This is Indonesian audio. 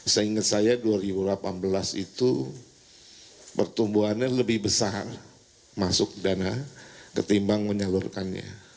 seingat saya dua ribu delapan belas itu pertumbuhannya lebih besar masuk dana ketimbang menyalurkannya